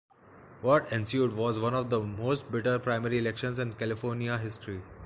What ensued was one of the most bitter primary elections in California history.